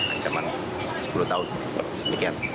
ancaman sepuluh tahun semekian